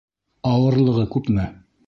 Ауырлығы күпме?